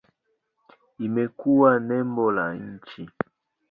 Imekuwa nembo la nchi.